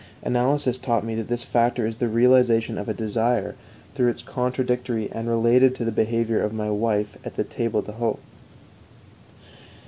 Analysis taught me that this factor is the realization of a desire through its contradictory and related to the behavior of my wife at the table d'hôte.